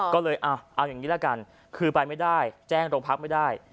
ก็เลยเอาอย่างนี้ละกันคือไปไม่ได้แจ้งโรงพักไม่ได้